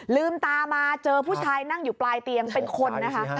ลืมตามาเจอผู้ชายนั่งอยู่ปลายเตียงเป็นคนนะคะ